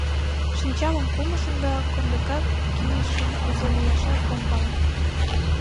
Шинчамым кумышым да комдыкак кийышым, кузе лияшат ом пале.